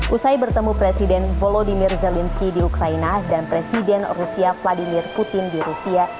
usai bertemu presiden volodymyr zelensky di ukraina dan presiden rusia vladimir putin di rusia